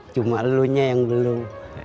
cuma leluhnya yang belum